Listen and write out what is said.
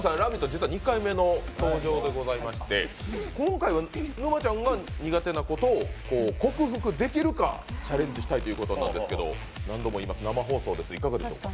実は２回目の登場でございまして、今回は沼ちゃんが苦手なことを克服できるかということですが何度も言います生放送なんですが大丈夫でしょうか？